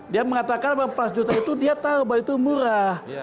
dia mengatakan empat belas juta itu dia tahu bahwa itu murah